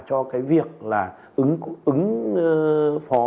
cho việc ứng phó